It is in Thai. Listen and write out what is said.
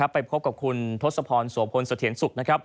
ไปพบกับคุณทศพรสวพลสเถียนสุข